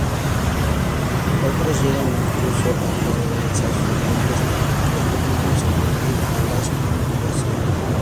Otras llegan incluso a crear balsas flotantes que les permiten sobrevivir a las inundaciones.